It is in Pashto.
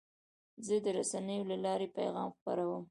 زه د رسنیو له لارې پیغام خپروم.